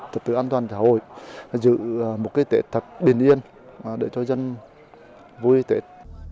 thực tự an toàn trả hội giữ một cái tết thật bình yên để cho dân vui tết